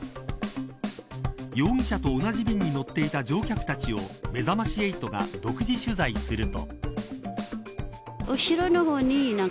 容疑者と同じ便に乗っていた乗客たちをめざまし８が独自取材すると。